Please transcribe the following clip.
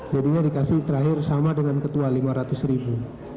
jadinya dikasih terakhir sama dengan ketua lima ratus ribu